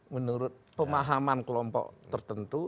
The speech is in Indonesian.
menurut pemahaman kelompok tertentu